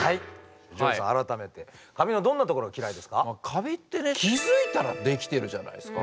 カビってね気付いたらできてるじゃないっすか。